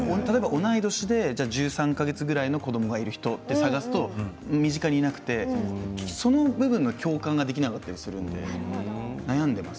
同い年で１３か月ぐらいの子どもがいる人って探すと身近にいなくてその部分の共感ができなかったりするので悩んでいきます。